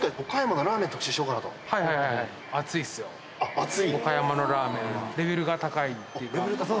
熱い？